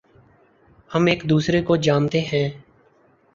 ہم ایک دوسرے کو جانتے ہیں